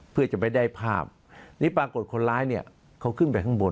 เพื่อจะไม่ได้ภาพนี่ปรากฏคนร้ายเนี่ยเขาขึ้นไปข้างบน